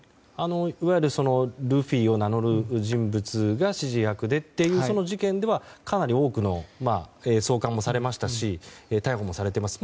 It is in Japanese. いわゆる、ルフィを名乗る人物が指示役でという事件では送還もされましたし逮捕もされています。